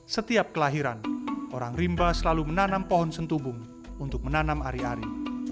setiap kelahiran orang rimba selalu menanam pohon sentubung untuk menanam ari ari